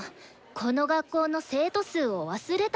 この学校の生徒数を忘れた？